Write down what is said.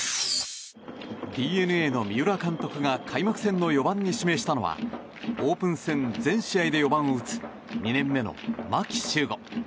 ＤｅＮＡの三浦監督が開幕戦の４番に指名したのはオープン戦全試合で４番を打つ２年目の牧秀悟。